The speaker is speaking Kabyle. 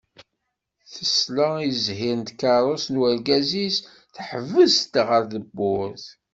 Tesla i zzhir n tkerrust n urgaz-is teḥbes-d ɣer tewwurt.